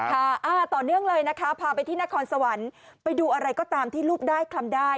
อ่าต่อเนื่องเลยนะคะพาไปที่นครสวรรค์ไปดูอะไรก็ตามที่ลูกได้คลำได้